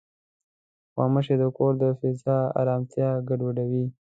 غوماشې د کور د فضا ارامتیا ګډوډوي.